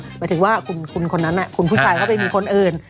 หมายถึงว่าคุณคนนั้นคุณผู้ชายเข้าไปมีคนอื่น